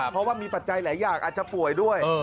เพราะว่ามีปัจจัยหลายอย่างอาจจะป่วยด้วย